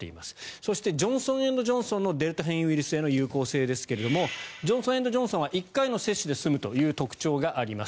そしてジョンソン・エンド・ジョンソンのデルタ変異ウイルスへの有効性ですが、ジョンソン・エンド・ジョンソンは１回の接種で済むという特徴があります。